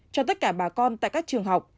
cho tất cả bà con tại các trường học